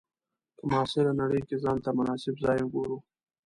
په معاصره نړۍ کې ځان ته مناسب ځای وګورو.